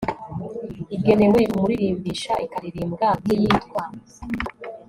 igenewe umuririmbisha, ikaririmbwa nk'iyitwa